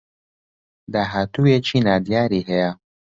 داهاتوویێکی نادیاری هەیە